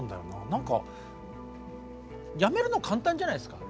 何か辞めるの簡単じゃないですか。